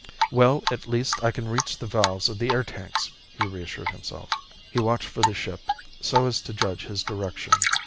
Well, at least I can reach the valves of the air tanks, he reassured himself. He watched for the ship, so as to judge his direction.